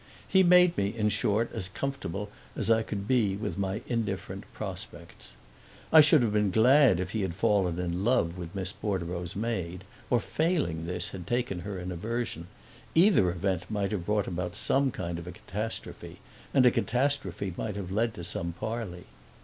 He made me in short as comfortable as I could be with my indifferent prospects. I should have been glad if he had fallen in love with Miss Bordereau's maid or, failing this, had taken her in aversion; either event might have brought about some kind of catastrophe, and a catastrophe might have led to some parley.